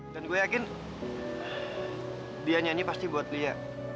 dan gue yakin dia nyanyi pasti buat lia